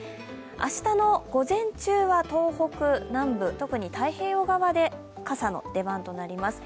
明日の午前中には東北南部、特に太平洋側で傘の出番となります。